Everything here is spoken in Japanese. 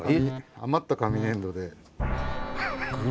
余った紙粘土で。